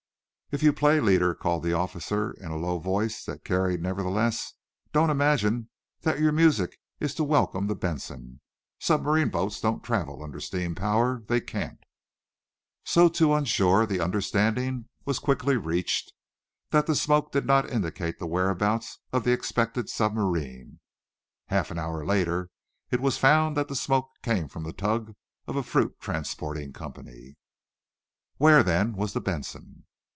"If you play, leader," called the officer, in a low voice that carried, nevertheless, "don't imagine that your music is to welcome the 'Benson.' Submarine boats don't travel under steam power. They can't." So, too, on shore, the understanding was quickly reached that the smoke did not indicate the whereabouts of the expected submarine. Half and hour later it was found that the smoke came from the tug of a fruit transporting company. Where, then, was the "Benson?"